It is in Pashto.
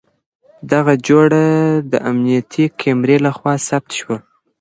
دغه جوړه د امنيتي کمرې له خوا ثبت شوه.